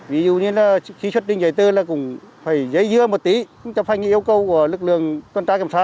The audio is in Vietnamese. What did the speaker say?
ví dụ như khi xuất tinh giấy tư là cũng phải dây dưa một tí